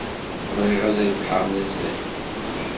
Bɣiɣ ad rebḥeɣ nezzeh.